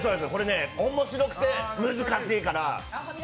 面白くて難しいから。